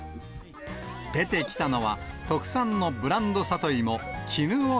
出てきたのは、特産のブランド里芋、帛乙女。